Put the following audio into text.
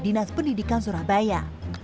dinas pendidikan surabaya